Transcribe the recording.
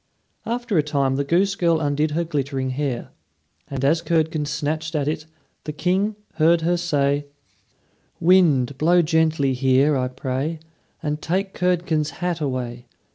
After a time the goose girl undid her glittering hair; and as Curdken snatched at it, the King heard her say: "Wind, blow gently here, I pray, And take Curdken's hat away.